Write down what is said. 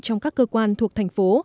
trong các cơ quan thuộc thành phố